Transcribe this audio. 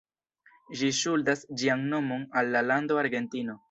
Ĝi ŝuldas ĝian nomon al la lando Argentino.